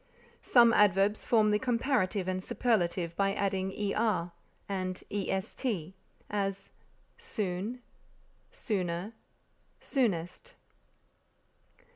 Some adverbs form the comparative and superlative by adding er and est; as, soon, sooner, soonest.